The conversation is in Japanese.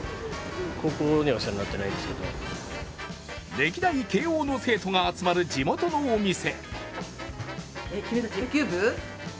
歴代慶応の生徒が集まる地元のお店。